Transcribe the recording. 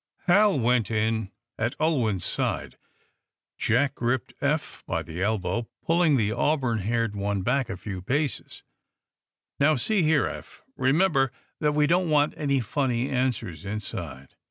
Hal went in at Ulwin's side. Jack gripped Eph by the elbow, pulling the auburn haired one back a few paces. "Now, see here, Eph, remember that we don't want any funny answers inside."